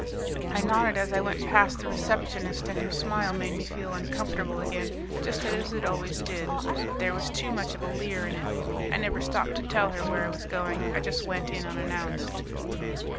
I nodded as I went past the receptionist, and her smile made me feel uncomfortable again, just as it always did; there was too much of a leer in it. I never stopped to tell her where I was going; I just went in unannounced.